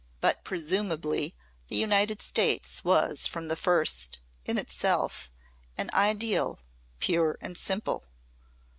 But presumably the United States was from the first, in itself, an ideal, pure and simple.